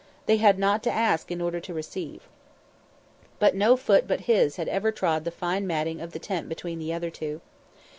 They had not to ask in order to receive. But no foot but his had ever trod the fine matting of the tent between the other two.